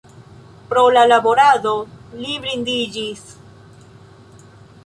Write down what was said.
Pro la laborado li blindiĝis.